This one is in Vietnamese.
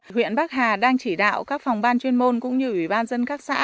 huyện bắc hà đang chỉ đạo các phòng ban chuyên môn cũng như ủy ban dân các xã